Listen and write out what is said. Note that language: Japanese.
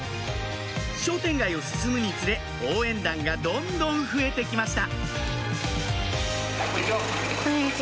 商店街を進むにつれ応援団がどんどん増えて来ました